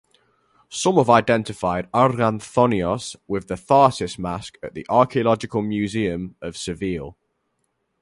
Some have identified Arganthonios with the "Tharsis Mask" at the Archeological Museum of Seville.